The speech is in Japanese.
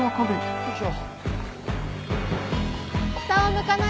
よいしょ。